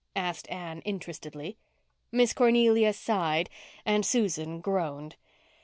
asked Anne interestedly. Miss Cornelia sighed and Susan groaned.